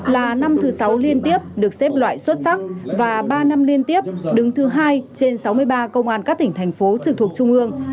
là năm thứ sáu liên tiếp được xếp loại xuất sắc và ba năm liên tiếp đứng thứ hai trên sáu mươi ba công an các tỉnh thành phố trực thuộc trung ương